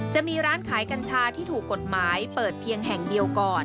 จะมีร้านขายกัญชาที่ถูกกฎหมายเปิดเพียงแห่งเดียวก่อน